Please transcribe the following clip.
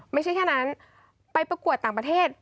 ไม่ใช่แค่นั้นไปประกวดต่างประเทศ